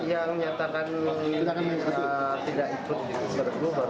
yang menyatakan tidak ikut baru jatuh